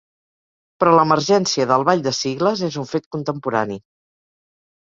Però l'emergència del ball de sigles és un fet contemporani.